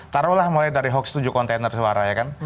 taruhlah mulai dari hoax tujuh kontainer suara ya kan